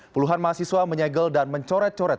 puluhan mahasiswa menyegel dan mencoret coret